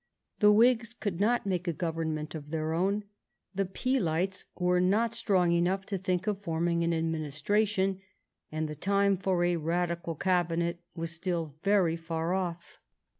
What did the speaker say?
The Whigs could not make a government of their own. The Peelites were not strong enough to think of form ing an administration ; and the time for a Radical Cabinet was still very far off.